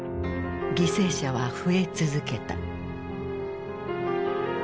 犠牲者は増え続けた。